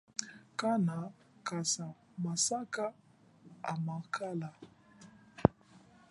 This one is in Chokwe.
Kana kasa masaka amakala.